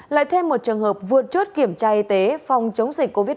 lại thêm một trường hợp vượt chốt kiểm tra y tế phòng chống dịch covid một mươi chín